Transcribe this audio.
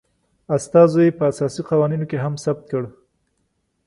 استازو یي په اساسي قوانینو کې هم ثبت کړ